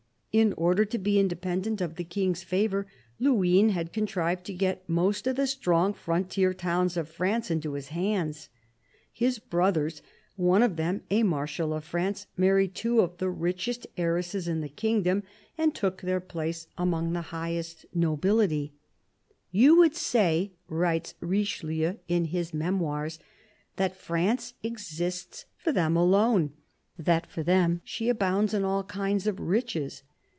In order to be independent of the King's favour, Luynes had contrived to get most of the strong frontier towns of France into his hands. His brothers, one of them a Marshal of France, married two of the richest heiresses in the kingdom and took their place among the highest nobility. 122 CARDINAL DE RICHELIEU " You would say," writes Richelieu in his Memoirs, " that France exists for them alone ; that for them she abounds in all kinds of riches.